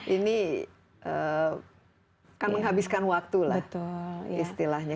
ini kan menghabiskan waktu lah istilahnya